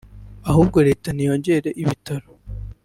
ahubwo Leta niyongere ibitaro